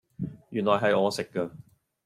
原來係我食㗎